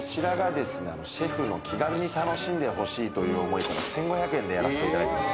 シェフの気軽に楽しんでほしいという思いから１，５００円でやらせてもらってます。